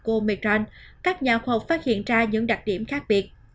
omicron các nhà khoa học phát hiện ra những đặc điểm khác biệt